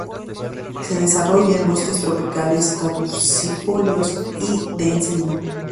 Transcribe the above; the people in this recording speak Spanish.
Se desarrolla en bosques tropicales caducifolios y de encino.